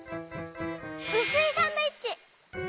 うすいサンドイッチ！